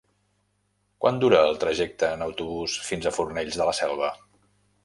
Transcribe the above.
Quant dura el trajecte en autobús fins a Fornells de la Selva?